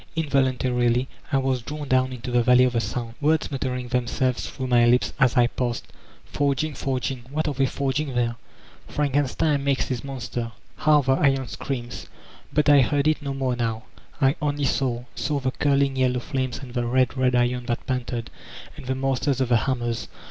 Invol untarily I was drawn down into the Valley of the Sound, words muttering themselves through my lips as I passed : "Forging, forging— what arc they forg ing there? Frankenstein makes his Monster. How the iron screams!'' But I heard it no more now; I only saw!— saw the curling yellow flames, and the A Rocket of Iion 411 red, red iron that panted, and the Masters of the Hammers.